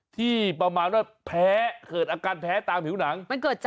ที่ประมาณว่าแพ้เกิดอาการแพ้ตามผิวหนัง